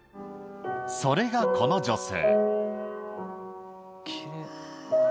それがこの女性